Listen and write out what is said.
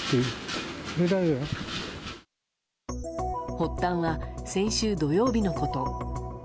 発端は先週土曜日のこと。